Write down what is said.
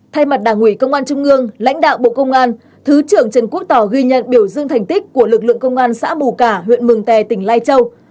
thay mặt đảng ủy công an trung ương lãnh đạo bộ công an thứ trưởng trần quốc tỏ ghi nhận biểu dương thành tích của lực lượng công an xã bù cả huyện mường tè tỉnh lai châu